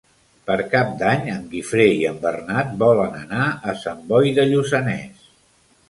Per Cap d'Any en Guifré i en Bernat volen anar a Sant Boi de Lluçanès.